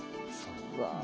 うわ。